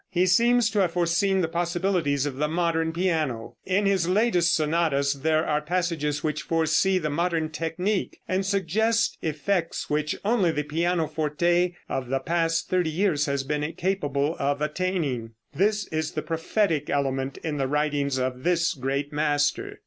He seems to have foreseen the possibilities of the modern piano. In his latest sonatas there are passages which foresee the modern technique, and suggest effects which only the pianoforte of the past thirty years has been capable of attaining. This is the prophetic element in the writings of this great master.